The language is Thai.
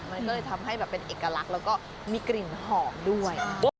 มันก็เลยทำให้แบบเป็นเอกลักษณ์แล้วก็มีกลิ่นหอมด้วย